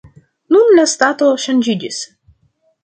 Nun la stato ŝanĝiĝis.